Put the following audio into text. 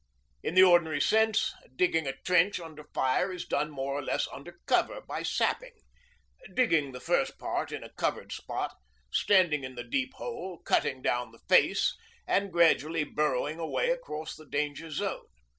In the ordinary course, digging a trench under fire is done more or less under cover by sapping digging the first part in a covered spot, standing in the deep hole, cutting down the 'face' and gradually burrowing a way across the danger zone.